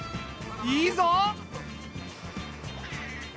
いいぞ！